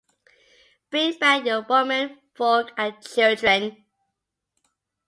Bring back your womenfolk and children.